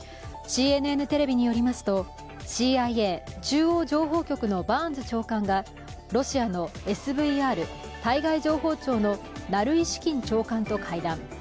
ＣＮＮテレビによりますとＣＩＡ＝中央情報局のバーンズ長官がロシアのＳＶＲ＝対外情報庁のナルイシキン長官と会談。